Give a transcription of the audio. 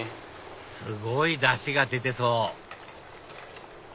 すごいダシが出てそう！